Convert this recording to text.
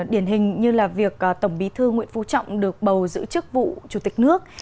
điển hình như là việc tổng bí thư nguyễn phú trọng được bầu giữ chức vụ chủ tịch nước